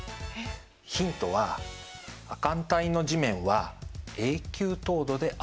ヒントは亜寒帯の地面は永久凍土であるということです。